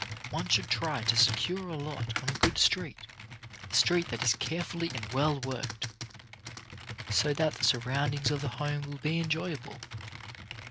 One should try to secure a lot on a good street, a street that is care fully and well worked, so that the surroundings of the home will be enjoyable.